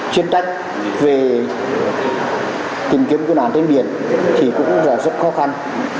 chuyên trách về tìm kiếm cứu nạn trên biển thì cũng rất là khó khăn